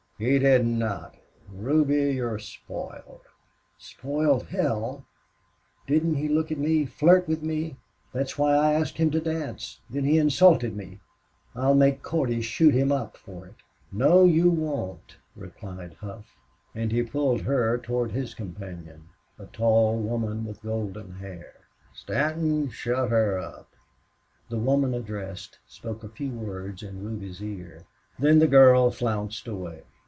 "He did not. Ruby, you're spoiled " "Spoiled hell!... Didn't he look at me, flirt with me? That's why I asked him to dance. Then he insulted me. I'll make Cordy shoot him up for it." "No, you won't," replied Hough, and he pulled her toward his companion, a tall woman with golden hair. "Stanton, shut her up." The woman addressed spoke a few words in Ruby's ear. Then the girl flounced away.